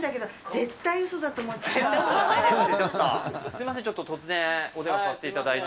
絶対うそだすみません、ちょっと突然、お電話させていただいて。